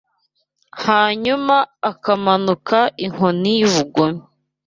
Hanyuma akamanuka inkoni y'ubugome